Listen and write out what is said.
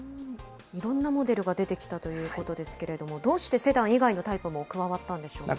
いろんなモデルが出てきたということですけれども、どうしてセダン以外のタイプも加わったんでしょうか。